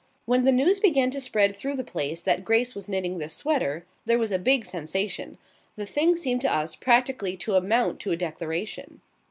When the news began to spread through the place that Grace was knitting this sweater there was a big sensation. The thing seemed to us practically to amount to a declaration.